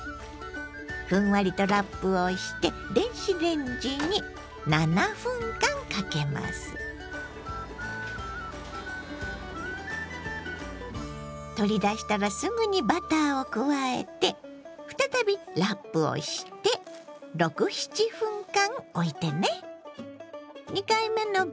ふんわりとラップをして取り出したらすぐにバターを加えて再びラップをして６７分間おいてね。